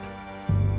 terima kasih pak